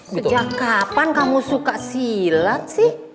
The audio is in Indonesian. sejak kapan kamu suka silat sih